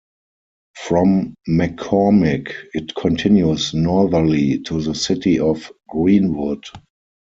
From McCormick, it continues northerly to the city of Greenwood.